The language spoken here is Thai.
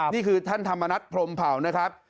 นี่คือท่านธรรมนัฐพรมเผานะครับ